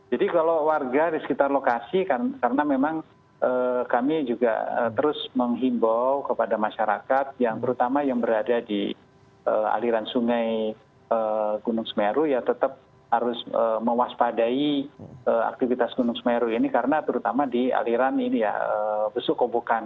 jadi kalau warga di sekitar lokasi karena memang kami juga terus menghimbau kepada masyarakat yang berutama yang berada di aliran sungai gunung semeru ya tetap harus mewaspadai aktivitas gunung semeru ini karena terutama di aliran ini ya besukobukan